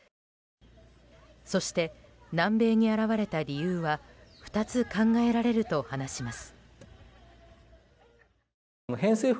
そして、南米に現れた理由は２つ考えられると話します。